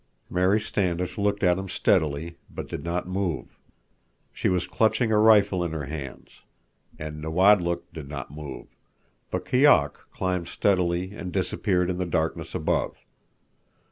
Mary Standish looked at him steadily, but did not move. She was clutching a rifle in her hands. And Nawadlook did not move. But Keok climbed steadily and disappeared in the darkness above.